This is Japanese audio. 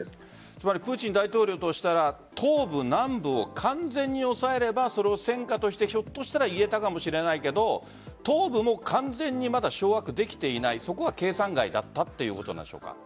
つまりプーチン大統領としては東部、南部を完全に抑えれば戦果として、ひょっとしたらいえたかもしれないけど東部も完全にまだ掌握できていないそこは計算外だったということなんでしょうか？